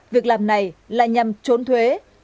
việc làm này là nhằm trốn thuế